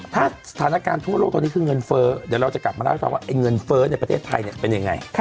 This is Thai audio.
ถ้าสถานการณ์ทั่วโลกตอนนี้คือเงินเฟ้อเดี๋ยวเราจะกลับมาเล่าให้ฟังว่าไอ้เงินเฟ้อในประเทศไทยเป็นยังไง